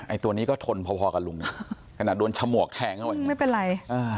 ไอ้ตัวนี้ก็ทนพอกับลุงเนี่ยขนาดโดนฉมวกแทงไว้ไม่เป็นไร